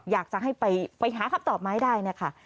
อยากจะให้ไปหาคับตอบมาให้ได้